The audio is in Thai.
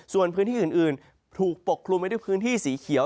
ส่วนพื้นที่อื่นถูกปกคลุมไปด้วยพื้นที่สีเขียว